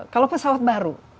kalau pesawat baru